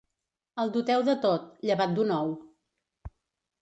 El doteu de tot, llevat d'un ou.